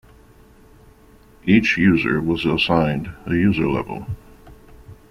Each user was assigned a user level.